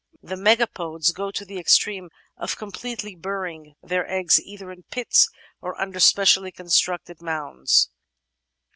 The Megapodes go to the extreme of completely burying their eggs either in pits or under specially constructed mounds.